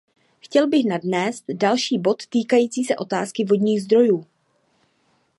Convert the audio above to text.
Chtěla bych nadnést další bod týkající se otázky vodních zdrojů.